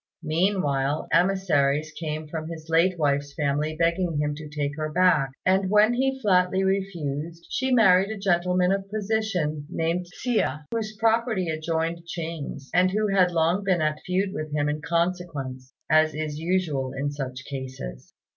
Meanwhile emissaries came from his late wife's family begging him to take her back; and when he flatly refused, she married a gentleman of position named Hsia, whose property adjoined Ching's, and who had long been at feud with him in consequence, as is usual in such cases.